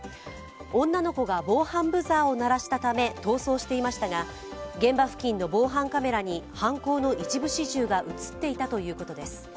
女の子が防犯ブザーを鳴らしたため逃走していましたが現場付近の防犯カメラに犯行の一部始終が映っていたということです。